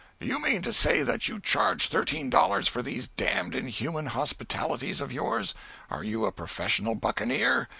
_ You mean to say that you charge thirteen dollars for these damned inhuman hospitalities of yours? Are you a professional buccaneer?